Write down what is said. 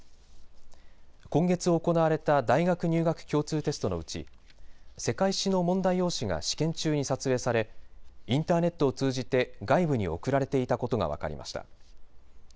今月行われた大学入学共通テストのうち世界史の問題用紙が試験中に撮影されインターネットを通じて外部に送られていたことが分かりました。